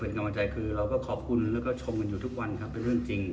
เป็นกำลังใจคือเราก็ขอบคุณแล้วก็ชมกันอยู่ทุกวันครับเป็นเรื่องจริง